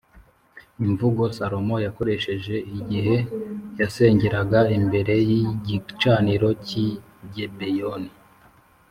imvugo salomo yakoresheje igihe yasengeraga imbere y’igicaniro cy’i gebeyoni,